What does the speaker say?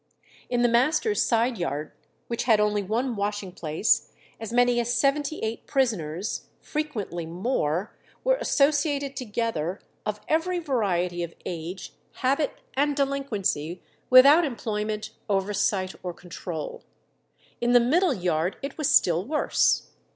In the master's side yard, which had only one washing place, as many as seventy eight prisoners, frequently more, were associated together, "of every variety of age, habit, and delinquency, without employment, oversight, or control." In the middle yard it was still worse.